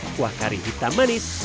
kuah kari hitam manis